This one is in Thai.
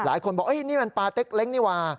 หลายคนบอกนี่มันปลาเต็กเล้งนี่ว่า